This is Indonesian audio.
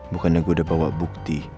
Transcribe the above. bukannya gua da bawa bukti